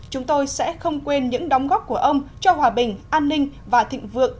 chúng tôi sẽ không quên những đóng góp của ông cho hòa bình an ninh và thịnh vượng